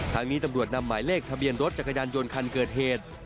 ทางนี้ตำรวจนำหมายเลขทะเบียนรถจักรยานยนต์คันเกิดเหตุ